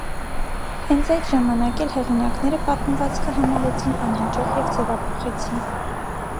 Հենց այդ ժամանակ էլ հեղինակները պատմվածքը համարեցին անհաջող և ձևափոխեցին։